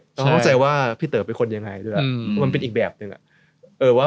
เข้าใจว่าพี่เต๋อเป็นคนยังไงด้วยมันเป็นอีกแบบหนึ่งแหละ